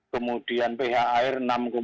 kemudian ph air enam dua puluh tiga